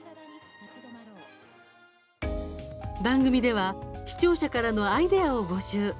番組では視聴者からのアイデアを募集。